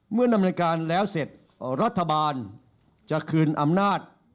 ดำเนินการแล้วเสร็จรัฐบาลจะคืนอำนาจ